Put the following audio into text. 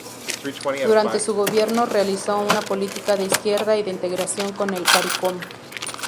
Durante su gobierno realizó una política de izquierda y de integración con el Caricom.